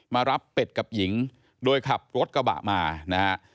มารับเป็ดกับหญิงโดยขับรถกระบะมานะฮะ